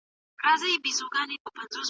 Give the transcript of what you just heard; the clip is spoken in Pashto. هغه کورنۍ چې تعلیم لري، ثبات لري.